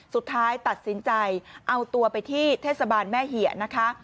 สุดท้ายตัดสินใจเอาตัวไปที่เทศบาลแม่เหี่ยนะคะ